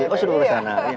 oh di sana